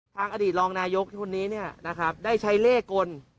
อดีตรองนายกคนนี้ได้ใช้เลขกล